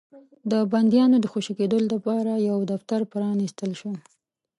د بنديانو د خوشي کېدلو لپاره يو دفتر پرانيستل شو.